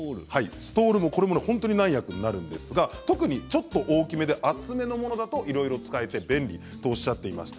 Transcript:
これも本当に何役にもなるんですが特にちょっと大きめで厚めのものだといろいろ使えて便利とおっしゃっていました。